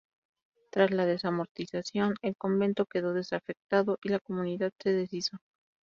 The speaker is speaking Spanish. Tras la desamortización, el convento quedó desafectado y la comunidad se deshizo.